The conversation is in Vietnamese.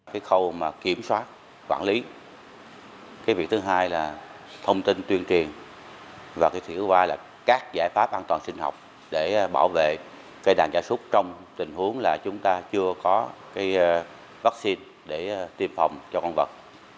cái khâu mà kiểm soát quản lý cái việc thứ hai là thông tin tuyên truyền và cái thứ ba là các giải pháp an toàn sinh học để bảo vệ cây đàn gia súc trong tình huống là chúng ta chưa có cái vaccine để tiêm phòng cho con vật